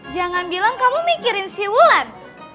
jangan bilang kamu mikirin si wulan